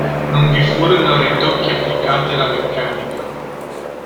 Non vi furono ritocchi applicati alla meccanica.